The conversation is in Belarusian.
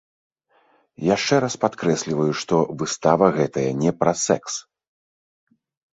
Яшчэ раз падкрэсліваю, што выстава гэтая не пра сэкс!